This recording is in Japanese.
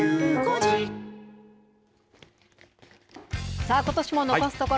さあ、ことしも残すところ